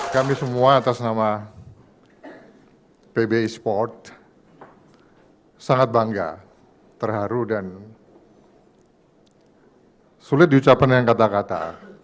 kami semua atas nama pbsi sangat bangga terharu dan sulit diucapkan dengan kata kata